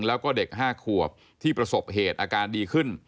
แล้วก็เด็ก๕ขวบที่ประสบเหตุอาการดีขึ้น